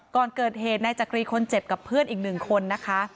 ก่อนเกิดเหตุนายจักรีคนเจ็บกับเพื่อนอีกหนึ่งคนนะคะ